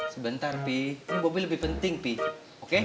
sebentar pi ini bobby lebih penting pi oke